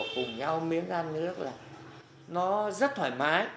cùng nhau miếng ăn nước là nó rất thoải mái